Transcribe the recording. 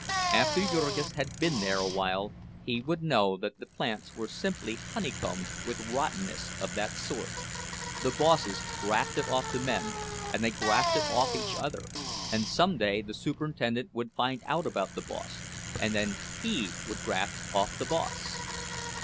After Jurgis had been there awhile he would know that the plants were simply honeycombed with rottenness of that sort—the bosses grafted off the men, and they grafted off each other; and some day the superintendent would find out about the boss, and then he would graft off the boss.